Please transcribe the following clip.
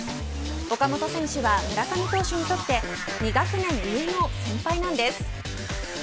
岡本選手は村上選手にとって２学年上の先輩なんです。